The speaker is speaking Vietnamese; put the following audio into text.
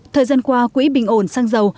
thời gian qua quỹ bình ổn xăng dầu